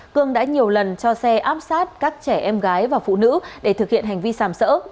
cương đã nhiều lần cho xe áp sát các trẻ em gái và phụ nữ để thực hiện hành vi sàm sỡ